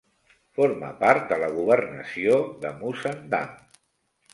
Forma part de la governació de Musandam.